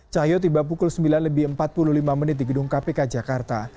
cahyo tiba pukul sembilan lebih empat puluh lima menit di gedung kpk jakarta